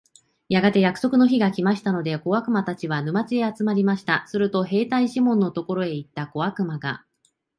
やがて約束の日が来ましたので、小悪魔たちは、沼地へ集まりました。すると兵隊シモンのところへ行った小悪魔が、